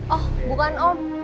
oh bukan om